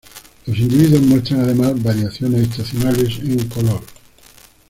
Los individuos muestran además variaciones estacionales en color.